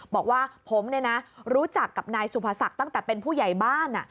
บอกว่าผมรู้จักกับนายสุภศักดิ์ตั้งแต่เป็นผู้ใหญ่บ้าน